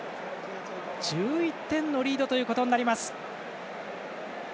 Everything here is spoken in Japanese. １１点のリードとなります。